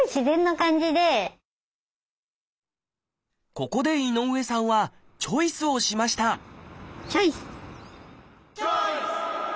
ここで井上さんはチョイスをしましたチョイス！